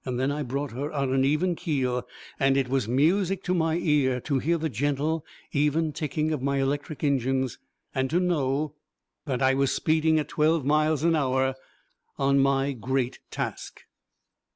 Then I brought her on an even keel, and it was music to my ear to hear the gentle, even ticking of my electric engines and to know that I was speeding at twelve miles an hour on my great task.